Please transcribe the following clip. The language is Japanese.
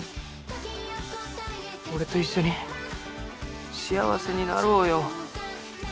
俺と一緒に幸せになろうよ。